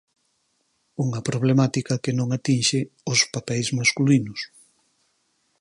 Unha problemática que non atinxe os papeis masculinos.